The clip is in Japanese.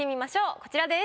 こちらです。